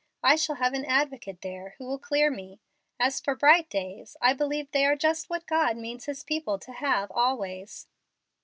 I shall have an Advocate there who will clear me. As for 'bright days,' I believe they are just what God means His people to have always."